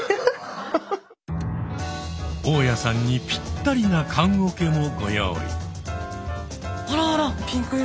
大家さんにぴったりな棺おけもご用意。